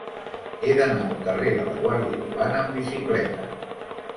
He d'anar al carrer de la Guàrdia Urbana amb bicicleta.